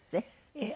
ええ。